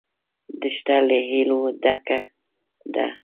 دښته له هیلو ډکه ده.